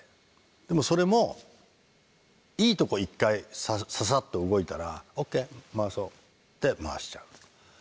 でもそれもいいとこ一回ササッと動いたら「ＯＫ回そう」で回しちゃう。